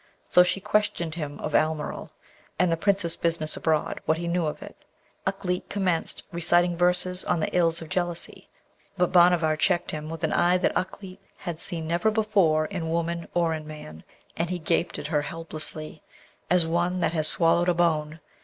So, she questioned him of Almeryl, and the Prince's business abroad, what he knew of it. Ukleet commenced reciting verses on the ills of jealousy, but Bhanavar checked him with an eye that Ukleet had seen never before in woman or in man, and he gaped at her helplessly, as one that has swallowed a bone.